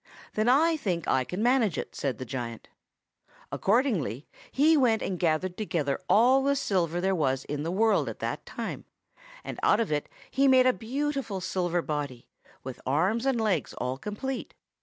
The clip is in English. "'Then I think I can manage it,' said the giant. Accordingly he went and gathered together all the silver there was in the world at that time, and out of it he made a beautiful silver body, with arms and legs all complete.